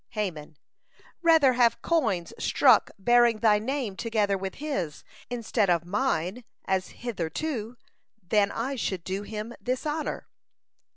Haman: "Rather have coins struck bearing thy name together with his, instead of mine as hitherto, than I should do him this honor."